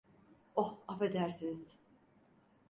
Oh, affedersiniz.